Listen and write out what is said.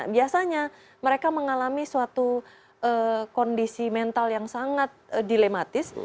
biasanya mereka mengalami suatu kondisi mental yang sangat dilematis